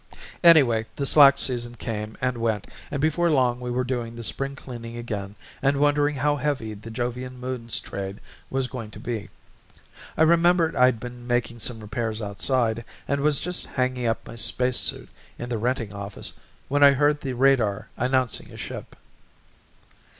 Anyway, the slack season came and went and before long we were doing the spring cleaning again and wondering how heavy the Jovian Moons trade was going to be. I remember I'd been making some repairs outside and was just hanging up my spacesuit in the Renting Office when I heard the radar announcing a ship.